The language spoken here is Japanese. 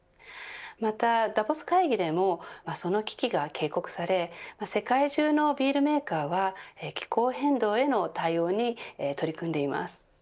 またダボス会議でもその危機が警告され世界中のビールメーカーは気候変動への対応に取り組んでいます。